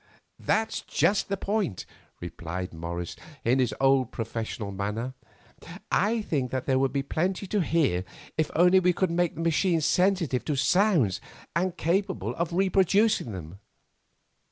"That's just the point," replied Morris in his old professional manner. "I think there would be plenty to hear if only I could make the machine sensitive to the sounds and capable of reproducing them."